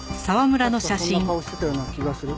確かそんな顔してたような気がする。